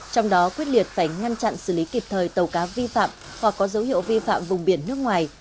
trong đó quyết liệt phải ngăn chặn xử lý kịp thời tàu cá vi phạm hoặc có dấu hiệu vi phạm vùng biển nước ngoài